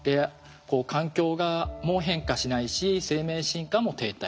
環境も変化しないし生命進化も停滞している。